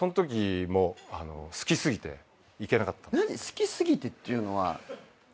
好き過ぎてっていうのは。